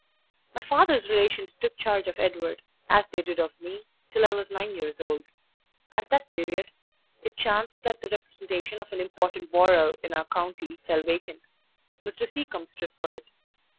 "My father's relations took charge of Edward, as they did of me, till I was nine years old. At that period it chanced that the representation of an important borough in our county fell vacant; Mr. Seacombe stood for it.